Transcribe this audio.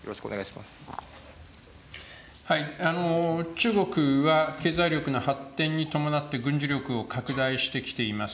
中国は経済力の発展に伴って軍事力を拡大してきています。